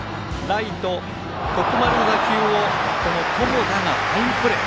徳丸の打球を友田がファインプレー。